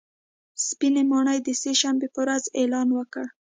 سپینې ماڼۍ د سې شنبې په ورځ اعلان وکړ